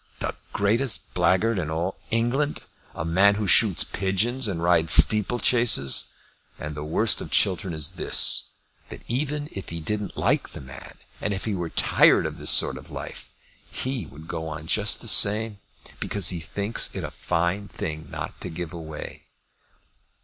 "The greatest blackguard in all England! A man who shoots pigeons and rides steeple chases! And the worst of Chiltern is this, that even if he didn't like the man, and if he were tired of this sort of life, he would go on just the same because he thinks it a fine thing not to give way."